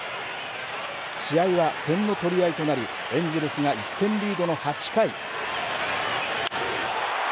試合は点の取り合いとなりエンジェルスが１点リードの８回。